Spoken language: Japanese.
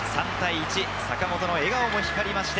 坂本の笑顔も光りました。